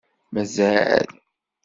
Mazal!